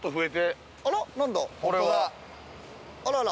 あらら。